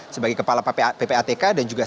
sebagai kepala ppatk dan juga